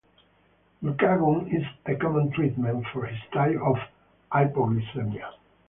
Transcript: Glucagon is a common treatment for this type of hypoglycemia.